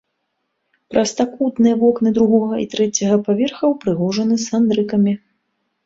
Прастакутныя вокны другога і трэцяга паверха ўпрыгожаны сандрыкамі.